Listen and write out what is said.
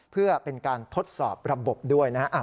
เพื่อเป็นการทดสอบระบบด้วยนะฮะ